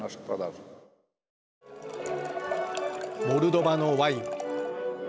モルドバのワイン。